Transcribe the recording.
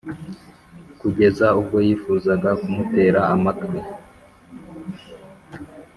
kugeza ubwo yifuzaga kumutera amatwi.